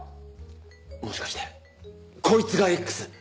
もしかしてこいつがＸ？